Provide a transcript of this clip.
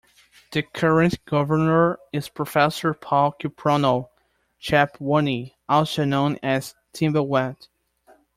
The current governor is Professor Paul Kiprono Chepkwony also known as "Timbilwet".